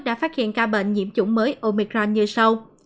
đã phát hiện ca bệnh nhiễm chủng mới omicran như sau